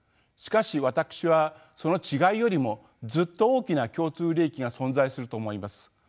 しかし私はその違いよりもずっと大きな共通利益が存在すると思います。